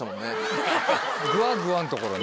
グワグワのところね。